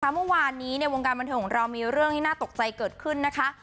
เมื่อวานนี้ในวงการบันเทิงของเรามีเรื่องที่น่าตกใจเกิดขึ้นนะคะ